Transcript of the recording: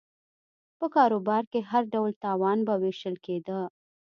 په کاروبار کې هر ډول تاوان به وېشل کېده